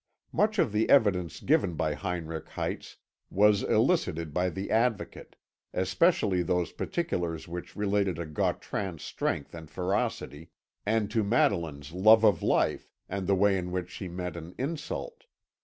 Much of the evidence given by Heinrich Heitz was elicited by the Advocate especially those particulars which related to Gautran's strength and ferocity, and to Madeline's love of life and the way in which she met an insult.